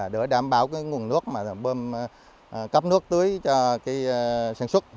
để đảm bảo nguồn nước bơm cấp nước tưới cho sản xuất